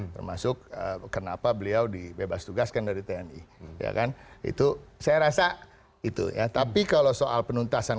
termasuk kenapa beliau dibebas tugaskan dari tni ya kan itu saya rasa itu ya tapi kalau soal penuntasan